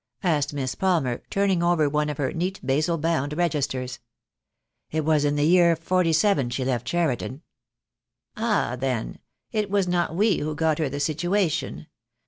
asked Miss Palmer, turning over one of her neat basil bound registers. "It was in the year '47 she left Cheriton." "Ah, then, it was not we who got her the situation.